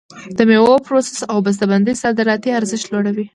د میوو پروسس او بسته بندي صادراتي ارزښت لوړوي.